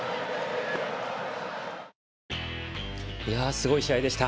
すごい試合でした。